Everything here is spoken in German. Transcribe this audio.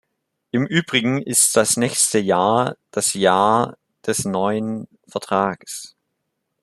Im Übrigen ist das nächste Jahr das Jahr des neuen Vertrages.